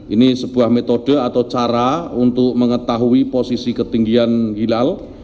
ini sebuah metode atau cara untuk mengetahui posisi ketinggian hilal